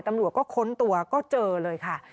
ตำรวจก็ค้นตัวก็เจอเลยค่ะ